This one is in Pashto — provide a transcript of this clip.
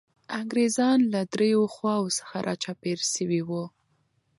انګریزان له دریو خواوو څخه را چاپېر سوي وو.